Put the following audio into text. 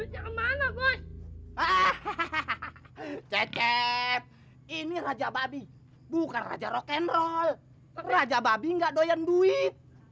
hahaha cecep ini raja babi bukan raja rock'n'roll raja babi nggak doyan duit